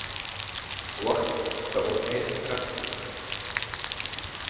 • وخت د امید څرک دی.